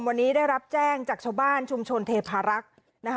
วันนี้ได้รับแจ้งจากชาวบ้านชุมชนเทพารักษ์นะคะ